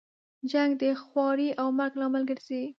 جنګ د خوارۍ او مرګ لامل ګرځي.